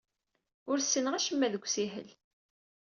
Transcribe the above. Ur ssineɣ acemma deg ussihel.